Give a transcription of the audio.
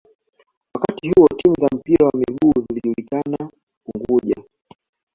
Wakati huo timu za mpira wa miguu zilijulikana Unguja